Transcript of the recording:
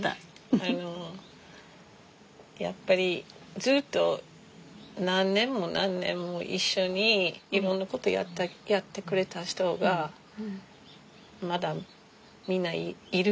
あのやっぱりずっと何年も何年も一緒にいろんなことやってくれた人がまだみんないる。